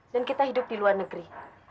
dan kita hidup di luar negeri